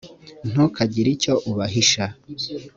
ntukagire icyo ubahisha .